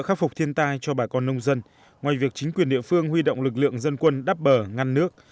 khắc phục thiên tai cho bà con nông dân ngoài việc chính quyền địa phương huy động lực lượng dân quân đắp bờ ngăn nước